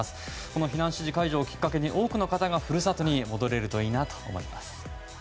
この避難指示解除をきっかけに多くの方が故郷に戻れるといいなと思います。